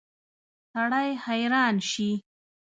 سړی حیران شي.